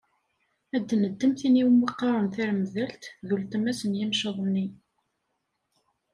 Ad neddem tin i wumi qqaren taremdalt, d uletma-s n yimceḍ-nni.